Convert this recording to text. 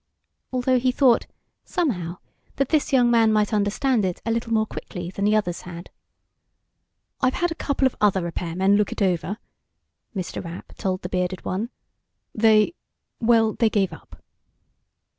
Although he thought, somehow, that this young man might understand it a little more quickly than the others had. "I've had a couple of other repairmen look it over," Mr. Rapp told the bearded one. "They ... well, they gave up."